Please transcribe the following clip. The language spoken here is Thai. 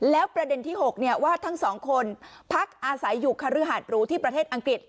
แล้วประเด็นที่๖ว่าทั้งสองคนพักอาศัยอยู่คฤหาดหรูที่ประเทศอังกฤษ